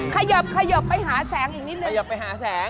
ขยับไปหาแสงอีกนิดนึง